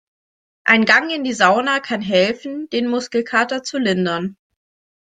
Ein Gang in die Sauna kann helfen, den Muskelkater zu lindern.